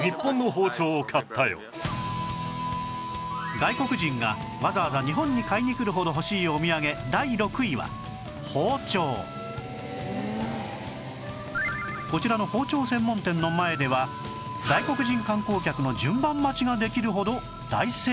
外国人がわざわざ日本に買いに来るほど欲しいお土産こちらの包丁専門店の前では外国人観光客の順番待ちができるほど大盛況